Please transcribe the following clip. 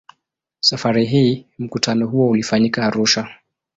Safari hii mkutano huo ulifanyika Arusha.